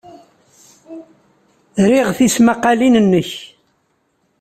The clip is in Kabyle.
Riɣ tismaqqalin-nnek.